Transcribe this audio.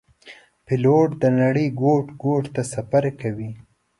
پیلوټ د نړۍ ګوټ ګوټ ته سفر کوي.